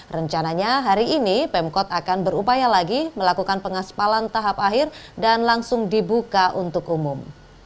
rencananya hari ini pemkot akan berupaya lagi melakukan pengaspalan tahap akhir dan langsung dibuka untuk umum